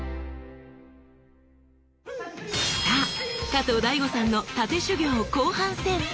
さあ加藤大悟さんの殺陣修業後半戦。